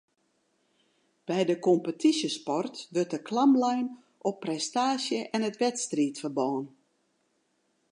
By de kompetysjesport wurdt de klam lein op prestaasje en it wedstriidferbân